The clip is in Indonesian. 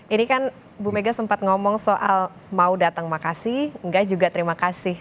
ini kan bu mega sempat ngomong soal mau datang makasih enggak juga terima kasih